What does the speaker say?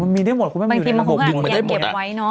มีได้หมดคุณแม่มันอยู่ในปี๖๒